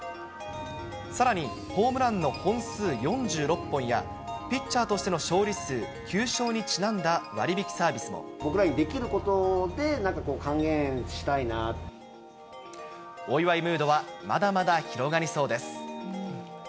さらに、ホームランの本数４６本や、ピッチャーとしての勝利数、僕らにできることで、なんかお祝いムードはまだまだ広がりそうです。